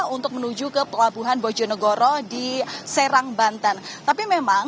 untuk menuju ke pelabuhan bojonegoro di serang banten tapi memang